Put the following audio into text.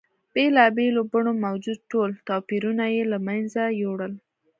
بېلا بېلو بڼو موجود ټول توپیرونه یې له منځه یوړل.